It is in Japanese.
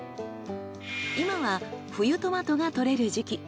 今は冬トマトが採れる時期。